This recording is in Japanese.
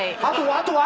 あとは？